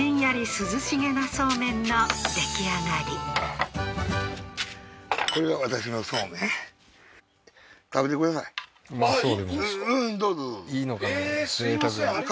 涼しげなそうめんの出来上がりうまそう